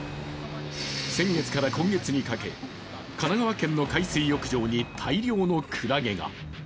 先月から今月にかけ、神奈川県の海水浴場に大量のクラゲが。